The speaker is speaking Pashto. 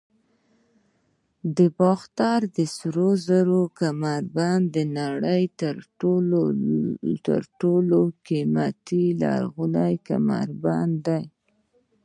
د باختر د سرو زرو کمربند د نړۍ تر ټولو قیمتي لرغونی کمربند دی